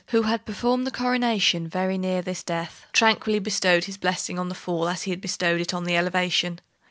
who had performed the coronation very near this death, tranquilly bestowed his blessing on the fall as he had bestowed it on the elevation.